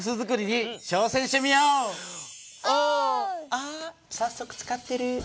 あっ早速使ってる。